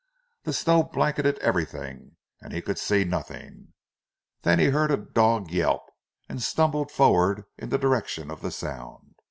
The snow blanketed everything, and he could see nothing; then he heard a dog yelp and stumbled forward in the direction of the sound.